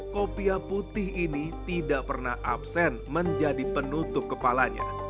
kopiah putih ini tidak pernah absen menjadi penutup kepalanya